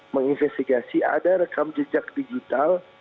menginvestigasi ada rekam jejak digital